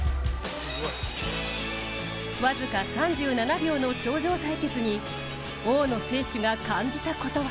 僅か３７秒の頂上対決に大野選手が感じたことは